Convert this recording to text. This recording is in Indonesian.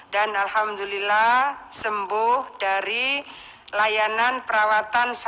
dan alhamdulillah sembuh dari layanan perawatan